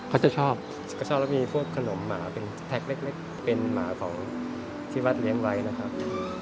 เขาจะชอบก็ชอบแล้วมีพวกขนมหมาเป็นแท็กเล็กเป็นหมาของที่วัดเลี้ยงไว้นะครับ